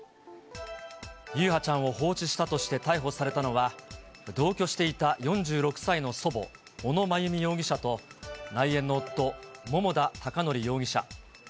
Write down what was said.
優陽ちゃんを放置したとして逮捕されたのは、同居していた４６歳の祖母、小野真由美容疑者と、内縁の夫、桃田貴徳容疑者。